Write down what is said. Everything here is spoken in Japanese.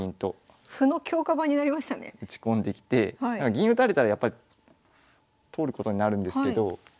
銀打たれたらやっぱり取ることになるんですけど。